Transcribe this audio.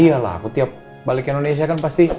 iyalah aku tiap balik ke indonesia kan pasti